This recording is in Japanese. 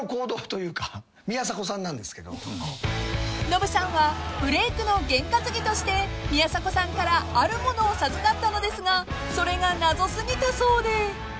［ノブさんはブレークの験担ぎとして宮迫さんからあるものをさずかったのですがそれが謎すぎたそうで］